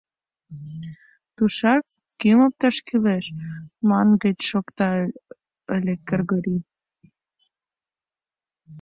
«Тушак кӱм опташ кӱлеш» мангыч шокта ыле Кыргорий.